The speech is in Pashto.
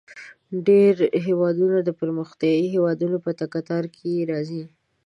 ډیری هیوادونه د پرمختیايي هیوادونو په کتار کې راځي.